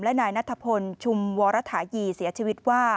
และนายนัทพลชุมวรฐานีเสียชีวิตว่า